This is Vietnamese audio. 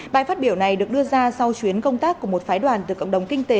bài phát biểu này được đưa ra sau chuyến công tác của một phái đoàn từ cộng đồng kinh tế